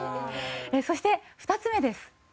そして２つ目です。